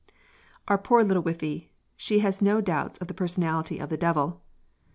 Our poor little wifie, she has no doubts of the personality of the Devil!